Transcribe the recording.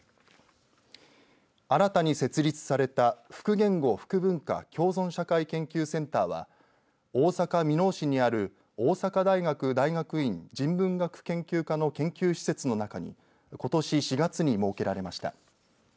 新たに設立された複言語・複文化共存社会研究センターは大阪箕面市にある大阪大学大学院人文学研究科の研究施設の中にことし４月に設けられました。